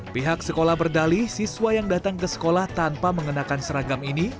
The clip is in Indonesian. pihak sekolah berdalih siswa yang datang ke sekolah tanpa mengenakan seragam ini